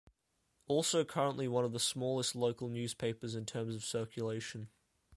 Also currently one of the smallest local newspapers, in terms of circulation.